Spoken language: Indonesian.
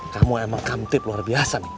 kamu emang kamtip luar biasa nih